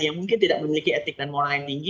yang mungkin tidak memiliki etik dan moral yang tinggi